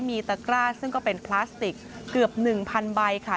มีตะกร้าซึ่งก็เป็นพลาสติกเกือบ๑๐๐ใบค่ะ